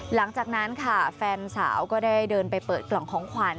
หลังจากนั้นค่ะแฟนสาวก็ได้เดินไปเปิดกล่องของขวัญ